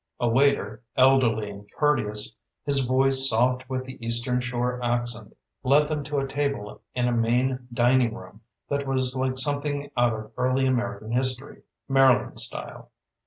A waiter, elderly and courteous, his voice soft with the Eastern Shore accent, led them to a table in a main dining room that was like something out of early American history, Maryland style.